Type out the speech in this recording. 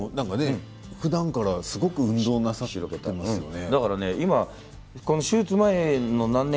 ふだんから運動なさってますよね。